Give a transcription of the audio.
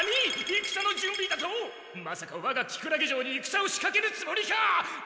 まさかわがキクラゲ城にいくさをしかけるつもりか？